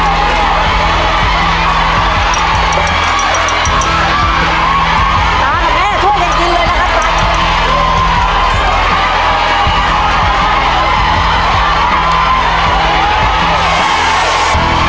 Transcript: ตากับแม่ช่วยอย่างจริงเลยนะครับ